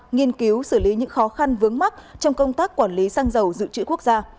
nghiên cứu xử lý những khó khăn vướng mắt trong công tác quản lý xăng dầu dự trữ quốc gia